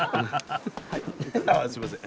あすいません。